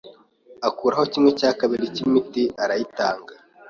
akuraho kimwe cya kabiri cy’imiti arayitanga